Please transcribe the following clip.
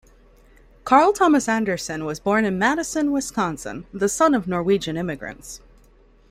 Carl Thomas Anderson was born in Madison, Wisconsin, the son of Norwegian immigrants.